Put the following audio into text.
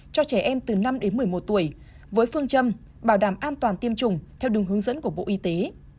cho trẻ em từ năm đến một mươi một tuổi với phương châm bảo đảm an toàn tiêm chủng theo đúng hướng dẫn của bộ y tế